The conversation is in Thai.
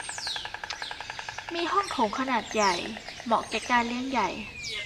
มีห้องโถงขนาดใหญ่ เหมาะแก่การเลี้ยงใหญ่